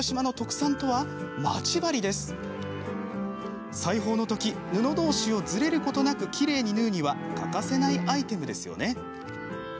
裁縫のとき布どうしをずれることなくきれいに縫うには欠かせないアイテムですよね。